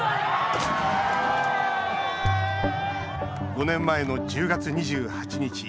５年前の１０月２８日